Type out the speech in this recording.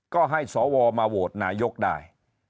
ก็ให้สวมาโหวตนายกได้